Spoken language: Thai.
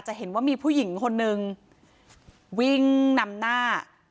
เห็นว่ามีผู้หญิงคนนึงวิ่งนำหน้า